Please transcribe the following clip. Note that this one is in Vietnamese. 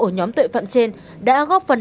ở nhóm tội phạm trên đã góp phần